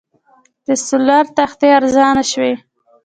د سولر تختې ارزانه شوي؟